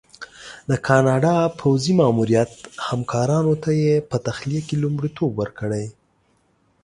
د کاناډا پوځي ماموریت همکارانو ته یې په تخلیه کې لومړیتوب ورکړی.